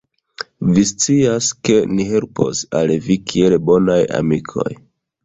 Vi scias, ke ni helpos al vi kiel bonaj amikoj.